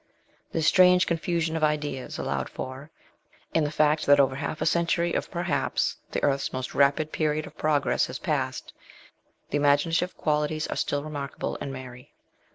This strange confusion of ideas allowed for, and the fact that over half a century of perhaps the earth's most rapid period of progress has passed, the imaginative qualities are still remarkable in Mary.